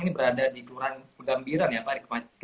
ini berada di kelurahan pegambiran ya pak ari